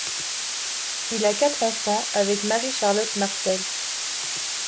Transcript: Il a quatre enfants avec Marie-Charlotte Martel.